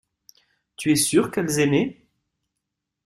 Tu es sûr qu’elles aimaient.